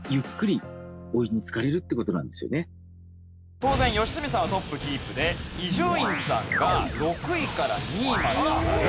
当然良純さんはトップキープで伊集院さんが６位から２位まで上がる。